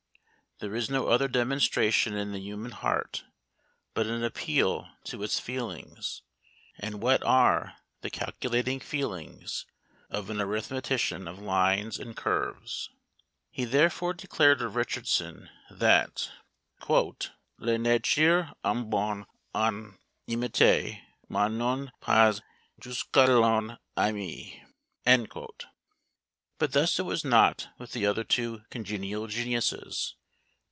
There is no other demonstration in the human heart, but an appeal to its feelings: and what are the calculating feelings of an arithmetician of lines and curves? He therefore declared of Richardson that "La Nature est bonne Ã imiter, mais non pas jusqu'Ã l'ennui." But thus it was not with the other two congenial geniuses!